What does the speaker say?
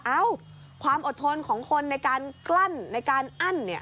เอ้าความอดทนของคนในการกลั้นในการอั้นเนี่ย